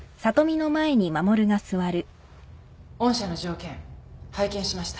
御社の条件拝見しました。